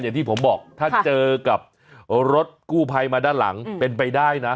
อย่างที่ผมบอกถ้าเจอกับรถกู้ภัยมาด้านหลังเป็นไปได้นะ